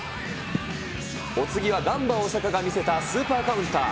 お次はガンバ大阪が見せたスーパーカウンター。